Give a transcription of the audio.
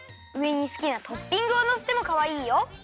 うえにすきなトッピングをのせてもかわいいよ。